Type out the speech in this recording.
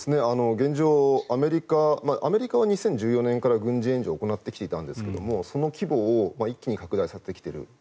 現状、アメリカは２０１４年から軍事援助を行ってきていたんですがその規模を一気に拡大させてきている。